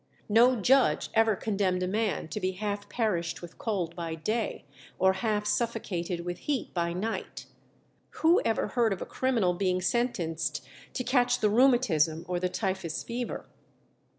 No judge ever condemned a man to be half perished with cold by day, or half suffocated with heat by night. "Who ever heard of a criminal being sentenced to catch the rheumatism or the typhus fever?"